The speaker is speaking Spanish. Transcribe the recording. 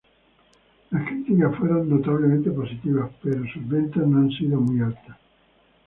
Las críticas fueron notablemente positivas, pero sus ventas no han sido muy altas.